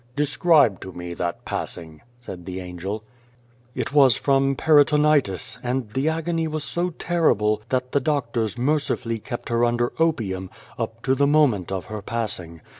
" Describe to me that passing," said the Angel. "It was from peritonitis, and the agony was so terrible that the doctors mercifully kept her under opium, up to the moment of her passing.